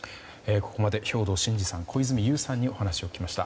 ここまで兵頭慎治さん、小泉悠さんにお話を聞きました。